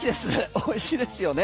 美味しいですよね。